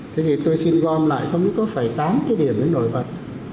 thế thì tôi xin gom lại không biết có phải tám cái điểm đến nổi bật